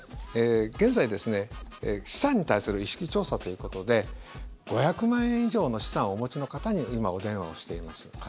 現在、資産に対する意識調査ということで５００万円以上の資産をお持ちの方にはいはい。